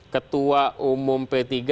ketua umum p tiga